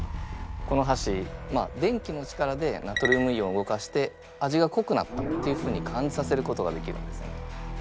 このはし電気の力でナトリウムイオンを動かして味がこくなったっていうふうに感じさせることができるんですね。